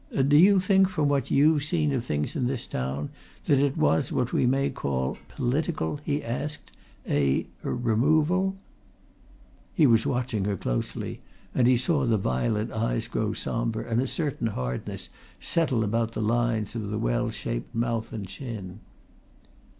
"Do you think, from what you've seen of things in this town, that it was what we may call political?" he asked. "A removal?" He was watching her closely, and he saw the violet eyes grow sombre, and a certain hardness settle about the lines of the well shaped mouth and chin.